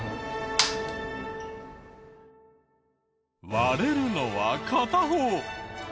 割れるのは片方。